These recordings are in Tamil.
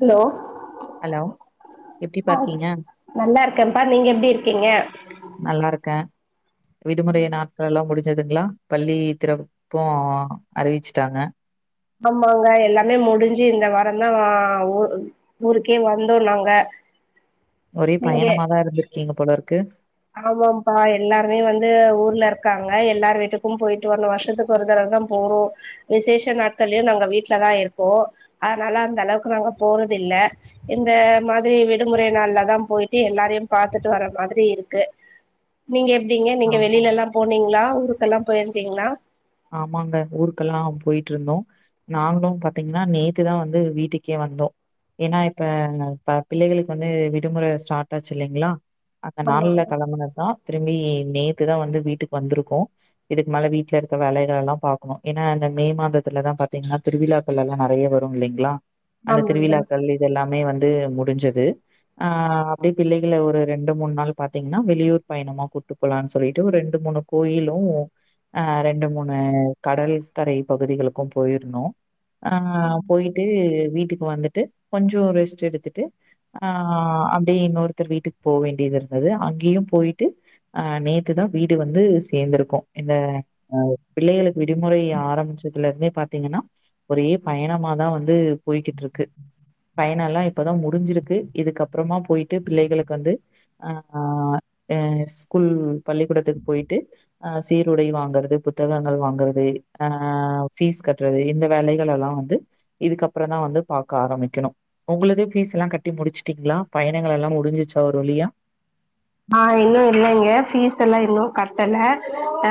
Hello hello! எப்டிப்பா ஆ சு இருக்கீங்க? நல்லா இருக்கேம்ப்பா நீங்க எப்டி இர்க்கீங்க நல்லாருக்க விடுமுறைய நாட்கள்லல்லா முடிஞ்சுதுங்ளா பள்ளி திறப்பு அறிவிச்ட்டாங்க ஆமாங்க எல்லாமே முடுஞ்சு இந்த வரந்தா ஓ ஊருக்கே வந்தோ நாங்க ஒரே பயணமாதா இருந்திருக்கீங்க போலருக்கு ஆமாப்பா எல்லாருமே வந்து ஊர்ல இர்க்காங்க எல்லார் வீட்டுக்கு பொயிட்டு வர்னு வர்ஷத்துக் ஒரு தரவ்தா போறோ விசேஷ நாட்கள்யு நாங்க வீட்லதா இருப்போ அதனால அந்த அளவுக் நாங்க போறத் இல்ல இந்த மாதுரி விடுமுறை நாள்லதா போயிட்டு எல்லாரயு பாத்துட்டு வர மாத்ரி இருக் கு நீங்க எப்டிங்க ஆ. நீங்க வெளிலல்லா போனீங்ளா ஊருக்கல்லா போயிருக்கீங்ளா ஆமாங்க ஊருக்கல்லா பொயிட்ருந்தோ நாங்ளு பாத்தீங்ன்னா நேத்துதா வந்து வீட்டுக்கே வந்தோ ஏன்னா இப்ப ப பிள்ளைகளுக் வந்து விடுமுற ஸ்டார்ட் ஆச்சு இல்லைங்ளா அந்த ஆமா நாள்ல களம்புனத்தா திரும்பி நேத்துதா வந்து வீட்டுக் வந்துருக்கோ இதுக் மேல வீட்ல இருக் வேலைகள் எல்லா பாக்ணு ஏன்னா இந்த மே மாதத்துலதா பாத்தீங்னா திருவிழாக்கள் எல்லா நறைய வரு இல்லைங்ளா அந்த ஆமாங்க திருவிழாக்கள் இதெல்லாமே வந்து முடிஞ்சது ஆ அப்டே பிள்ளைகள ஒரு ரெண்டு மூண் நாள் பாத்தீங்ன்னா வெளியூர் பயணமா கூட்டு போலான் சொல்லிட்டு ஒர் ரெண்டு மூணு கோயிலு அ ரெண் டு மூணு கடல்கரை பகுதிகளுக்கு போயிர்ந்தோ அ போயிட்டு வீட்டுக் வந்துட்டு கொஞ்சோ ரெஸ்ட் எடுத்துட்டு அ அப்யே இன்னொருத்தர் வீட்டுக் போ வேண்யத் இர்ந்துது அங்கியு போயிட்டு அ நேத்து தா வீடு வந்து சேந்துருக்கோ இந்த அ பிள்ளைகளுக்கு விடுமுறை ஆரமிச்சதுலேருந்தே பாத்தீங்கன்னா ஒரே பயணமாதா வந்து போய்கிட்ருக்கு பயணல்லா இப்பதா முடிஞ்சிருக்கு இதுக்கப்றமா போயிட்டு பிள்ளைகளுக்கு வந்து அ அ அ ஸ்கூல் பள்ளிக்கூடத்துக்கு போயிட்டு அ சீருடை வாங்கற்த் புத்தகங்கள் வாங்கறது அ பீஸ் கட்றது இந்த வேலைகள் எல்லா வந்து இதுக்கப்ற தா வந்து பாக்க ஆரமிக்கணு ஒங்குளுதே பீஸ் எல்லா கட்டி முடிச்சுட்டீங்ளா பயணங்கள் எல்லா முடிஞ்சிச்சா ஒரு வழியா ஆ இன்னு இல்லைங்க பீஸ் எல்லா இன்னு கட்டல அ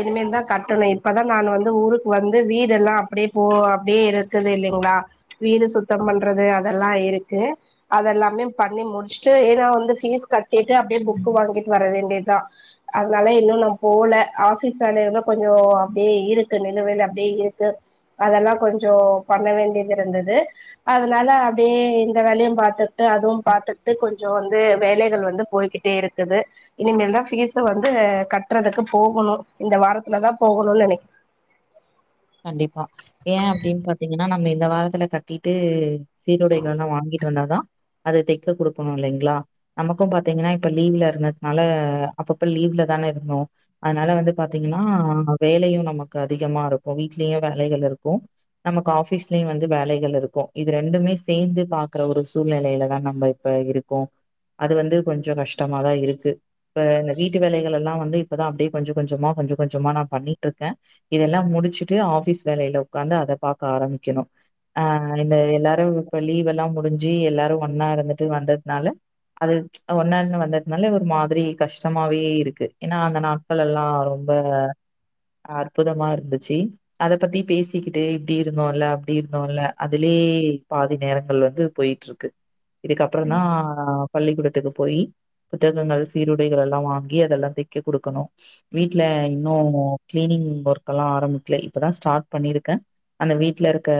இனிமேல்தா கட்டணு இத் ப்பதான் நான் வந்து ஊருக்கு வந்து வீடெல்லா அப்புடே போ அப்டியே இருக்குது இல்லிங்ளா வீடு சுத்தம் பண்றது அதல்லா இருக்கு அதல்லாமே பண்ணி முடிச்ட்டு ஏன்னா வந்து ஃபீஸ் கட்டிட்டு அப்டியே ஃபுக்கு வாங்கிட் வர வேண்டிய்தா அதுனால இன்னு நா போல ஆபீஸ் வேலையால கொஞ்சோ அப்டே இருக்கு நிலுவைல அப்டே இருக்கு அதெல்லா கொஞ்சோ பண்ண வேண்டியதுது இருந்ததுது அதனால அப்டியே இந்த வேலையு பாத்துகிட்டு அதுவு பாத்துட்டு கொஞ்சோ வந்து வேலைகள் வந்து போய்கிட்டே இருக்குது இனிமேல் தான் பீஸ வந்து கட்டுறதுக்கு போகணோ இந்த வாரத்துலதா போகணோனு நெனைக் கண்டிப்பா ஏ அப்டீன்னு பாத்தீங்கன்னா நம்ம இந்த வாரத்துல கட்டிட்டு சீருடைகள்லா வாங்கிட்டு வந்தாதா அத தெக்க குடுக்கணோ இல்லைங்களா நமக்கோ பாத்தீங்கன்னா இப்ப லீவுல இருந்ததுனால அப்பப்ப லீவுல தானே இருந்தோ அதனால வந்து பாத்தீங்கன்னா வேலையு நமக்கு அதிகமா இருக்கோ வீட்லயு வேலைகள் இருக்கோ நமக்கு ஆஃபீஸ்லயு வந்து வேலைகள் இருக்கோ இது ரெண்டுமே சேந்து பாக்குற ஒரு சூழ்நிலைலதா நம்ப இப்ப இருக்கோ அது வந்து கொஞ்சோ கஷ்டமாதா இருக்கு இப்ப இந்த வீட்டு வேலைகளெல்லா வந்து இப்பதா அப்டியே கொஞ்சோ கொஞ்சமா கொஞ்சோ கொஞ்சமா நா பண்ணிட்ருக்கே இதெல்லா முடிச்சுட்டு ஆஃபிஸ் வேலையில ஒக்காந்து அத பாக்க ஆரம்பிக்கணோ ஆ இந்த எல்லாரு இப்ப லீவெல்லா முடிஞ்சி எல்லாரு ஒன்னா இருந்துட்டு வந்ததுனால அது ஒன்னா இருந்து வந்ததுனால ஒரு மாதிரி கஷ்டமாவே இருக்கு ஏன்னா அந்த நா ட்களெல்லா ரொம்ப அற்புதமா இருந்துச்சி அத பத்தி பேசிக்கிட்டு இப்டி இருந்தோல அப்டி இருந்தோல அதுலயே பாதி நேரங்கள் வந்து போயி ட்ருக்கு இதுக்கப்பறோந்தா பள்ளிக்கூடத்துக்கு போயி புத்தகங்கள் சீருடைகள் எல்லா வாங்கி அதெல்லா தெய்க்க குடுக்கணோ வீட்ல இன்னோ கிளீனிங் ஒர்க்குல்லா ஆரம்பிக்கல இப்பதா ஸ்டார்ட் பண்ணிருக்கே அந்த வீட்ல இருக்க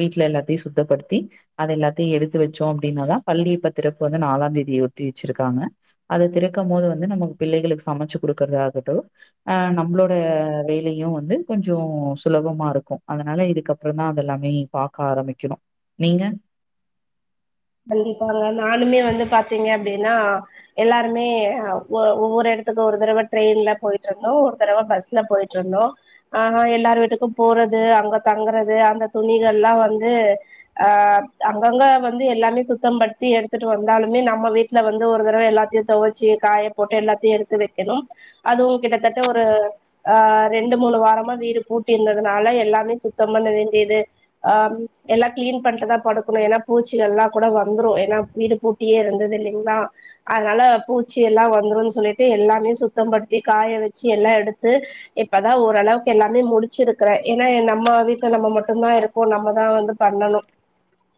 வீட்ல எல்லாத்தையு சுத்தப்படுத்தி அது எல்லாத்தையு எடுத்து வெச்சோ அப்டீன்னாதா பள்ளி இப்ப திறப்பு வந்து நாலாந் தேதி ஒத்தி வெச்சிருக்காங்க அத திறக்கும் போது வந்து நமக்கு பிள்ளைகளுக்கு சமைச்சு குடுக்குறதாகட்டோ அ நம்பளோட வேலையு வந்து கொஞ்சோ சுலபமா இருக்கோ அதனால இதுக்கப்புறோந்தா அதெல்லாமே பாக்க ஆரம்பிக்கணோ நீங்க கண்டிப்பாங்க நானுமே வந்து பாத்தீங்க அப்டீன்னா எல்லாருமே ஒ ஒவ்வோரு எடத்துக்கு ஒரு தடவ ட்ரெயின்ல போயிட்ருந்தோ ஒரு தடவ பஸ் ல போயிட்ருந்தோ ஆ எல்லார் வீட்டுக்கும் போறது அங்க தங்கறது அந்த துணிகள்லா வந்து அ அங்கங்க வந் து எல்லாமே சுத்தம் படுத்தி எடுத்துட்டு வந்தாலுமே நம்ம வீட்ல வந்து ஒரு தடவ எல்லாத்தையு தொவச்சி காய போட்டு எல்லாத்தையு எடுத்து வெக்கணோ அதுவு கிட்டத்தட்ட ஒரு ஆ ரெண்டு மூணு வாரமா வீடு பூட்டி இருந்ததுனால எல்லாமே சுத்தம் பண்ண வேண்டியது ஆம் எல்லா கிளீன் பண்ட்டுதா படுக்கணோ ஏனா பூச்சி எல்லா கூட வந்துரோ ஏன்னா வீடு பூட்டியே இருந்துது இல்லீங்ளா அதனால பூச்சி எல்லா வந்துரோன்னு சொல்லிட்டு எல்லாமே சுத்தம் படுத்தி காய வெச்சி எல்லா எடுத்து இப்பதா ஓரளவுக்கு எல்லாமே முடிச்சுருக்குறே ஏன்னா நம்ம வீட்ல நம்ம மட்டுந்தா இருக் அப்போ நம்மோதா வந்து பண்ணனோ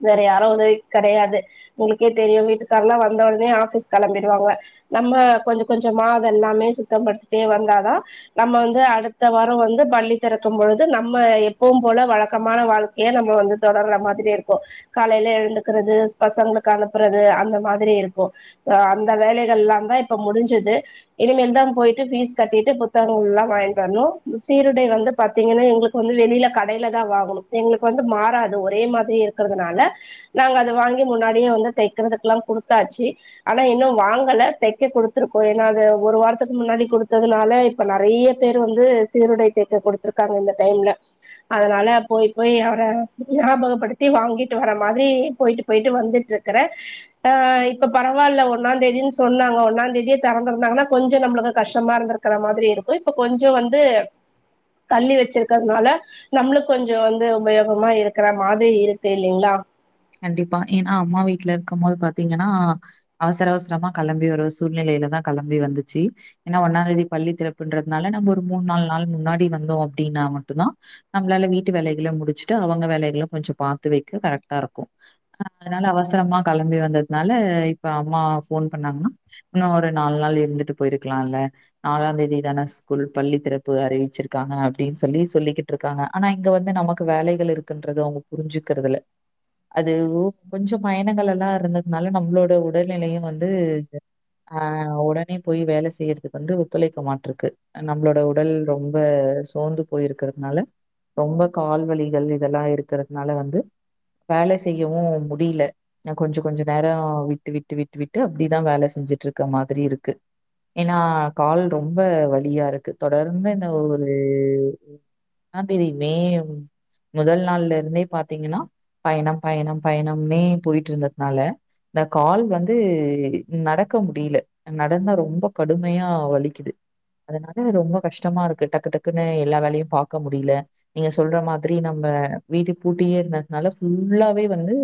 வேற யாரோ உதவிக்கு கடயாது உங்களுக்கே தெரியு வீட்டுக்காரர்லா வந்த ஒடனே ஆபிஸ்க்கு களம்பிடுவாங்க நம்ம கொஞ்ச கொஞ்சமா அதெல்லாமே சுத்தம் படுதிட்டே வந்தாதா நம்ம வந்து அடுத்த வாரோ வந்து பள்ளி திறக்கும் பொழுது நம்ம எப்பவு போல வழக்கமான வாழ்க்கைய நம்ம வந்து தொடர்ற மாரி இருக்கோ காலையில எழுந்துக்கிறது பசங்களுக்கு அனுப்புறது அந்த மாரி இருக்கோ அ அந்த வேலைகல்லாதா இப்ப முடிஞ்சுது இனிமேல்தா போயிட்டு ஃபீஸ் கட்டிட்டு புத்தகங்கள்லா வாங்கிட்டு வர்ணோ சீருடை வந்து பாத்தீங்கன்னா எங்குளுக் வந்து வெளியில கடையில தா வாங்கணு எங்களுக்கு வந்து மாறாது ஒரே மாதிரியே இருக்கிறதுனால நாங்க அத வாங்கி முன்னாடியே வந்து தைக்கிறதுக்கெல்லா கொடுத்தாச்சு ஆனா இன்னு வாங்கல தைக்க குடுத்துருக்கோ ஏன்னா அது ஒரு வாரத்துக்கு முன்னாடி குடுத்ததுனால இப்ப நெறைய பேரு வந்து சீருடை தைக்க கொடுத்திருக்காங்க இந்த டைம்ல அதனால போய் போய் அவர ஞாபகப்படுத்தி வாங்கிட்டு வர மாதிரி போயிட்டு போயிட்டு வந்துட்டு இருக்கறே அ இப்ப பெரவாயில்ல ஒன்னா தேதின்னு சொன்னாங்க ஒன்னா தேதியே திறந்திருந்தாங்கன்னா கொஞ்சோ நம்மளுக்கு கஷ்டமா இருந்திருக் இருக்கற மாதிரி இருக்கு இப்ப கொஞ்சோ வந்து தள்ளி வச்சிருக்கிறதுனால நம்மளுக்கு கொஞ்சோ வந்து உபயோகமா இருக்கிற மாதிரி இருக்கு இல்லைங்களா கண்டிப்பா ஏன்னா அம்மா வீட்ல இருக்கு போது பாத்தீங்கன்னா அவசர அவசரமா கெளம்பி ஒரு சூழ்நிலையில தா கெளம்பி வந்துச்சு ஏன்னா ஒன்னா தேதி பள்ளி திறப்புன்றதுனால நம்ம ஒரு மூணு நாலு நாள் முன்னாடி வந்தோ அப்டின்னா மட்டுதா நம்மளால வீட்டு வேலைககள முடிச்சுட்டு அவங்க வேலைகளு கொஞ்சோ பாத்து வைக்க கரெக்ட் இருக்கு அதனால அவசரமா கெளம்பி வந்ததுனால இப்ப அம்மா ஃபோன் பண்ணாங்கன்னா இன்னு ஒரு நாலு நாள் இருந்துட்டு போயிருக்கலால நாலா தேதி தான ஸ்கூல் பள்ளி திறப்பு அறிவிச்சிருக்காங்க அப்டின்னு சொல்லி சொல்லிக்கிட்டு இருக் இருக்காங்க ஆனா இங்க வந்து நமக்கு வேலைகள் இருக்குன்றது அவங்க புரிஞ்சுக்கிறதுல அது கொஞ்ச பயணங்கள் எல்லா இருந்ததுனால நம்மளோட உடல்நிலையு வந்து ஆ உடனே போய் வேல செய்யறதுக்கு வந்து ஒத்துழைக்க மாட்டிருக்கு நம்மளோட உடல் ரொம்ப சோந்து போயிருக்கிறதுனால ரொம்ப கால் வலிகள் இதெல்லா இருக்கிறதுனால வந்து வேல செய்யவு முடியல நா கொஞ்சோ கொஞ்சோ நேரோ விட்டு விட்டு விட்டு விட்டு அப்படிதா வேல செஞ்சிட்டு இருக்க மாரி இருக்கு ஏன்னா கால் ரொம்ப வழியா இருக்கு தொடர்ந்து இந்த ஒரு ஒன்னா தேதி மே முதல் நாள்ல இருந்தே பாத்தீங்கன்னா பயணோ பயணோ பயணம்னே போயிட்டு இருந்ததுனால இந்த கால் வந்து நடக்க முடியல நடந்தா ரொம்ப கடுமையா வலிக்குது அதனால ரொம்ப கஷ்டமாருக்கு டக்கு டக்குன்னு எல்லா வேலையு பாக்க முடியல நீங்க சொல்ற மாதிரி நம்ம வீட்ட பூட்டியே இருந்ததுனால ஃபுல்லாவே வந்து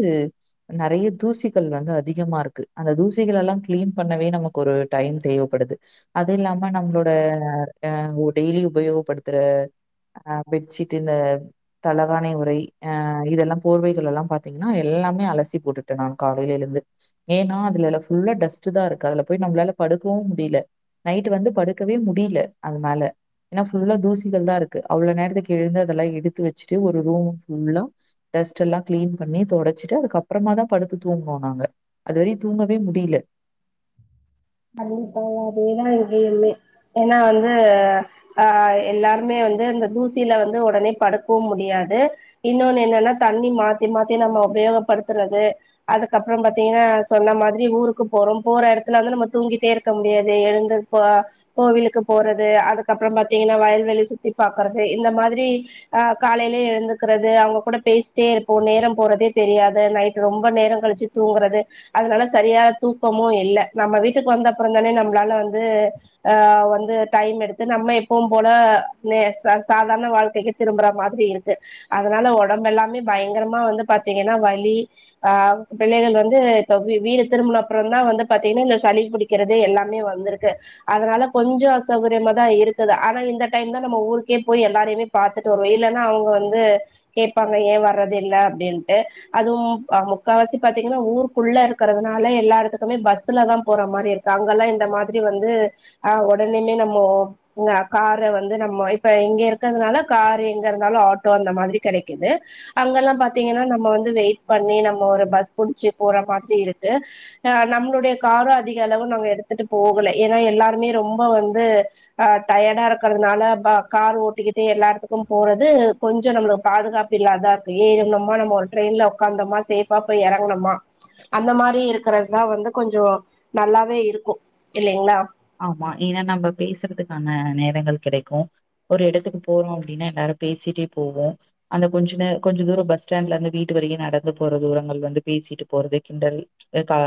நறைய தூசிகள் வந்து அதிகமா இருக்கு அந்த தூசிகள் எல்லா கிளீன் பண்ணவே நமக்கு ஒரு டைம் தேவைப்படுது அது இல்லாம நம்மளோட அ டெய்லி உபயோகப்படுத்துற அ பெட்ஷீட் இந்த தளவானை உறை அ இதெல்லா போர்வை சொல்லலா பாத்தீங்கன்னா எல்லாமே அலசி போட்டுட்டே நா காலையில எழுந்து ஏன்னா அதுல ஃபுல்லா டஸ்ட் தா இருக்கு அதுல போய் நம்மளால படுக்கவு முடியல நைட் வந்து படுக்கவே முடியல அது மேல ஏன்னா ஃபுல்லா தூசிகள் தா இருக்கு அவ்ளோ நேரத்துக்கு எழுந்து அதெல்லா எடுத்து வச்சுட்டு ஒரு ரூம்ஃபுல்லா டஸ்ட் எல்லா கிளீன் பண்ணி தொடச்சிட்டு அதுக்கப்பறமா தா படுத்து தூங்குவோ நாங்க அதுவரையு தூங்கவே முடியல அப்பப்பா அதடியேதா இரு கேமே [unintelligible] ஏன்னா வந்து ஆ எல்லாருமே வந்து அந்த தூசில வந்து உடனே படுக்கவு முடியாது இன்னொன்னு என்னன்னா தண்ணி மாத்தி மாத்தி நம்ம உபயோகப்படுத்துறது அதுக்கப்பறோ பாத்தீங்கன்னா சொன்ன மாதிரி ஊருக்கு போறோ போற எடத்துல வந்து நம்ம தூங்கிட்டே இருக்க முடியாது எழுந்ததுப்ப கோவிலுக்கு போறது அதுக்கப்புறோ பாத்தீங்கன்னா வயல்வெளி சுத்தி பாக்குறது இந்த மாதிரி ஆ காலையிலயே எழுந்துக்கிறது அவங்க கூட பேசிட்டே இருப்போ நேரம் போறதே தெரியாது நைட் ரொம்ப நேர கழிச்சு தூங்குறது அதனால சரியா தூக்கமு இல்ல நம்ம வீட்டுக்கு வந்தப்புறந்தானே நம்ளால வந்து ஆ வந்து டைம் எடுத்து நம்ம எப்பவு போல நே ச சாதாரண வாழ்க்கைக்கு திரும்புற மாதிரி இருக்கு அதனால ஒடம்பெல்லாமே பயங்கரமா வந்து பாத்திங்கன்னா வலி ஆ பிள்ளைகள் வந்து இப்ப வீ வீடு திரும்புன அப்புறந்தா வந்து பாத்திங்னா இந்த சளி புடிக்கறது எல்லாமே வந்திருக்கு அதனால கொஞ்சோ அசௌகரியமாதா இருக்குது ஆனா இந்த டைம்தா நம்ம ஊருக்கே போய் எல்லாரையுமே பாத்துட்டு வருவோ இல்லன்னா அவங்க வந்து கேப்பாங்க ஏ வர்றது இல்ல அப்படின்ட்டு அதுவு முக்கா வாசி பாத்திங்கன்னா ஊருக்குள்ள இருக்கறதுனால எல்லா எடத்துக்குமே பஸ்ஸுலதா போற மாரி இருக்கு அங்கெல்லா இந்த மாதிரி வந்து ஆ உடனய்மே நம்மோ கார வந்து நம்மோ இப்ப இங்க இருக்கிறதுனால காரு எங்க இருந்தாலு ஆட்டோ அந்த மாதிரி கெடைக்குது அங்கெல்லா பாத்திங்கன்னா நம்ம வந்து வெயிட் பண்ணி நம்ம ஒரு பஸ் புடிச்சு போற மாதிரி இருக்கு ஆ நம்மளுடைய காரு அதிக அளவு நாங்க எடுத்துட்டு போகல ஏன்னா எல்லாருமே ரொம்ப வந்து அ டயடா இருக்கிறனால ப கார் ஓட்டிக்கிட்டே எல்லா எடத்துக்கும் போறது கொஞ்சோ நம்ளுக்கு பாதுகாப் பு இல்லாதா இருக்கு ஏறுணுமா நம்ம ட்ரெய்ன்ல உக்காந்தமா சேஃபா போய் எறங்ணமா அந்த மாரி இருக்கறதா வந்து கொஞ்சோ நல்லாவே இருக்கு இல்லைங்ளா ஆமா ஏனா நம்ம பேசறதுக்கான நேரங்கள் கெடைக்கு ஒரு இடத்துக்கு போறோ அப்டின்னா எல்லாரு பேசிட்டே போவோ அந்த கொஞ்ச நே கொஞ்ச தூரோ பஸ் ஸ்டாண்ட்ல இருந்து வீட்டு வரையு நடந்து போற தூரங்கள் வந்து பேசிட்டு போறது கிண்டல் க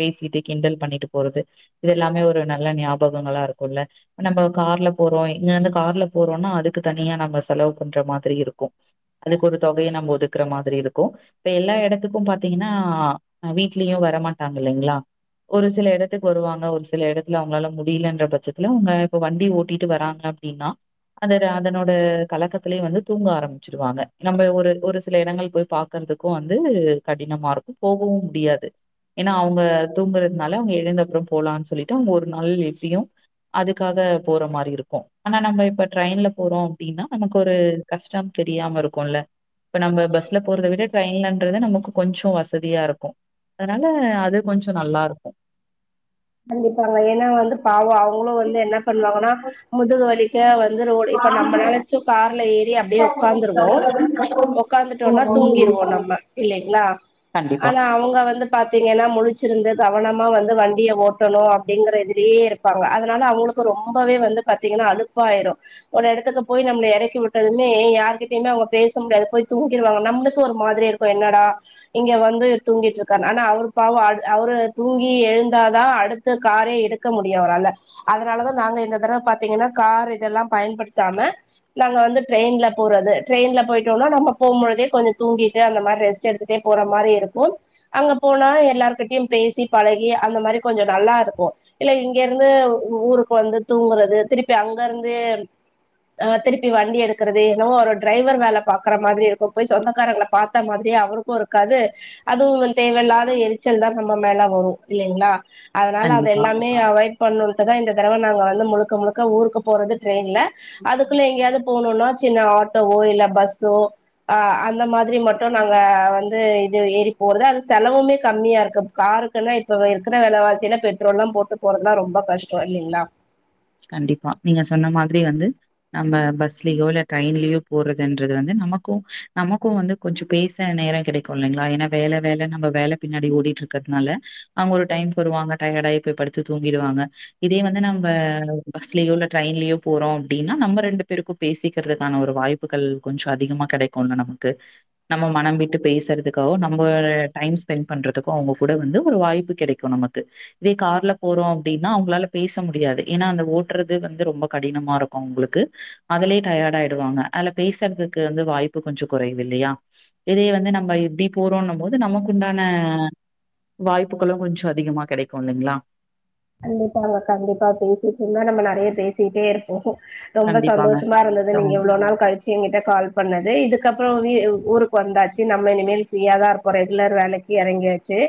பேசிட்டு கிண்டல் பண்ணிட்டு போறது இது எல்லாமே ஒரு நல்ல ஞாபகங்களா இருக்குல்ல நம்ம கார்ல போறோ இங்க இருந்து கார்ல போறோன்னா அதுக்கு தனியா நம்ம செலவு பண்ற மாதிரி இருக்கு அதுக்கு ஒரு தொகைய நம்ம ஒதுக்குற மாதிரி இருக்கு இப்ப எல்லா எடத்துக்கு பாத்திங்கனா வீட்லயு வரமாட்டாங்க இல்லைங்ளா ஒரு சில எடத்துக்கு வருவாங்க ஒரு சில எடத் இல்ல அவங்களால முடியலன்ற பட்சத்துல அவங்க இப்ப வண்டி ஓட்டிட்டு வர்றாங்க அப்டின்னா அந்த அதனோட கலக்கத்துலே வந்து தூங்க ஆரம்பிச்சிருவாங்க நம்ம ஒரு ஒரு சில இடங்கள் போய் பாக் கறதுக்கு வந்து கடினமாருக்கு போகவு முடியாது ஏன்னா அவுங்க தூங்குறதுனால அவங்க எழுந்த அப்புற போலானு சொல்லிட்டு அவங்க ஒரு நாள் எப்டியு அதுக்காக போற மாரி இருக்கு ஆனா நம்ம இப்ப ட்ரெயின்ல போறோ அப்டின்னா நமக்கு ஒரு கஷ்டம் தெரியாம இருக்குல்ல இப்ப நம்ம பஸ்ல போறத விட ட்ரெயின்லன்றது நமக்கு கொஞ்ச வசதியா இருக்கு அதனால அது கொஞ்ச நல்லா இருக்கு கண்டிப்பாங்க ஏன்னா வந்து பாவோ அவங்களு வந்து என்ன பண்ணுவாங்கன்னா முதுகு வலி க்க வந்துரோட இப்ப நம்பளால சோ கார்ல ஏறி அப்டியே உக்காந்துருவோ உக்காந்துட்டோனா தூங்கிருவோ நம்ம இல்லைங்ளா கண்டிப்பா, ஆனா அவுங்க வந்து பாத்திங்கன்னா முழிச்சிருந்து கவனமா வந்து வண்டிய ஓட் டடணு அப்டிங்கற இதுலயே இருப்பாங்க அதனால அவங்களுக்கு ரொம்பவே வந்து பாத்திங்கன்னா அழுப்பாயிரு ஒரு எடத்துக்கு போய் நம்ள எறக்கி விட்டதுமே யார்கிட்டயுமே அவங்க பேச முடியாது போய் தூங்கிருவாங்க நம்மளுக்கு ஒரு மாதிரி இருக் கு என்னடா இங்க வந்து தூங்கிட்ருக்கானு ஆனா அவர் பாவம் அ அவரு தூங்கி எழுந்தாதா அடு த்து காரே எடுக்க முடியு அவரால அதனாலதா நாங்க இந்த தடவ பாத்திங்கன்னா கார் இதெல்லா பயன்படுத்தாம நாங்க வந்து டிரைன்ல போறது டிரைன்ல போயிட்டோனா நம்ம போம்பொழுதே கொஞ்ச தூங்கிட்டு அந்த மார் ரெஸ் ட் எடுத்துட்டே போற மாரி இருக்கு அங்க போனா எல்லார்கிட்டயும் பேசி பழகி அந்த மாரி கொஞ்ச நல்லா இருக்கு இல்ல இங்க இருந்து உ ஊருக்கு வந்து தூங்குறது திருப்பி அங்க இருந்து ஆ திருப்பி வண்டி எடுக்கிறது ஏனவோ ஒரு டிரைவர் வேலை பாக்குற மாதிரி இருக்கு போய் சொந்தக்காரங்களை பாத்த மாதிரியே அவருக் கு இருக்காது அதுவு வண்ட்டு தேவையில்லாத எரிச்சல் தன் நம்ம மேல வரம் இல்லைங்களா அதனால அது கண்டிப்பா, எல்லா மே அவாய்ட் பண்ணுட்டுதா இந்த தடவை நாங்க வந்து முழுக்க முழுக்க ஊருக்கு போறது ட்ரையின்ல அதுக்குள்ள எங்கேயாவது போகணுனா சின்ன ஆட்டோவோ இல்ல பஸ்ஸோ ஆ அந்த மாதிரி மட்டு நாங்க வந்து இது எரி போறது அது செலவுமே கம்மியா இருக்கு காருக்குன்னா இப்ப இருக்கிற வேலவா சில பெட்ரோல் எல்லா போட்டு போறதுலா ரொம்ப கஷ்டோ இல்லைங்களா கண்டிப்பா நீங்க சொன்ன மாதிரி வந்து நம்ப பஸ்லயோ இல்ல ட்ரெயின்லயோ போறதுன்றது வந்து நமக்கு நமக்கு வந்து கொஞ்ச பேச நேரோ கிடைக்கு இல்லைங்களா ஏன்னா வேல வேல நம்ம வேல பின்னாடி ஓடிட்டு இருக்கிறதுனால அங்க ஒரு டைம் போயிருவாங்க டயடாயி போய் படுத்து தூங்கிடுவாங்க இதே வந்து நம்ப பஸ்லேயோ இல்ல டிரெயின்லயோ போறம் அப்டின்னா நம்ம ரெண்டு பேருக்கு பேசிக்கிறதுக்கான ஒரு வாய்ப் பு கொஞ்சோ அதிகமா கேடைக்கும்ல நமக்கு நம்ம மனம் விட்டு பேசுறதுக்காகோ நம்ம டைம் ஸ்பெண்ட் பண்றதுக்கோ அவங்க கூட வந்து ஒரு வாய்ப்பு கிடைக் இப்ப நமக்கு இதே கார்ல போறோ அப்டின்னா அவுங்களால பேச முடியாது ஏன்னா அந்த ஓட்றது வந்து ரொம்ப கடினமா இருக்கு உங்களுக்கு அதுலயே டயடா ஆயிடுவாங்க அதுல பேசுறதுக்கு வந்து வாய்ப்பு கொஞ்சோ குறவு இல்லையா இதைய வந்து நம்ம எப்டி போறோம்னு போது நமக்குண்டான வாய்ப்புகளு கொஞ்சோ அதிகமா கெடைக்கு இல்லீங்களா கண்டிப்பாங்க கண்டிப்பா பேசிட்டு இருந்தா நம்ம நெறைய பேசிட்டே இருப்போ ரொம்ப கண்டிப்பாங்க. சந்தோஷமா இருந்தது நீங்க இவ்ளோ நாள் கழிச் எங்கிட்ட கால் பண்ணது இதுக்கப்புறம் வி ஊருக்கு வந்தாச்சு நம்ம இனிமேல் பிரியா தா இருக்கோ ரெகுலர் வேலை எறங்கியாச்சு